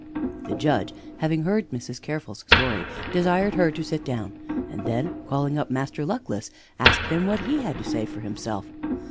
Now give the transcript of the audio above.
The Judge, having heard Mrs. Careful's story, desired her to sit down, and then calling up Master Luckless, asked him what he had to say for himself.